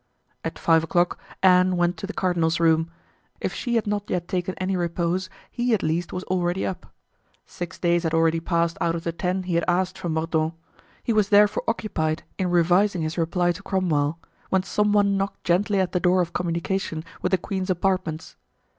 At five o'clock Anne went to the cardinal's room. If she had not yet taken any repose, he at least was already up. Six days had already passed out of the ten he had asked from Mordaunt; he was therefore occupied in revising his reply to Cromwell, when some one knocked gently at the door of communication with the queen's apartments.